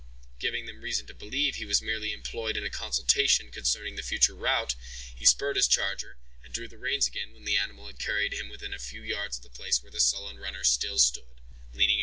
Giving them reason to believe he was merely employed in a consultation concerning the future route, he spurred his charger, and drew the reins again when the animal had carried him within a few yards of the place where the sullen runner still stood, leaning against the tree.